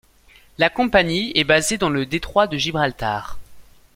La compagnie est basé dans le Détroit de Gibraltar.